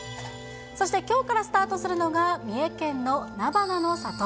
そしてきょうからスタートするのが、三重県のなばなの里。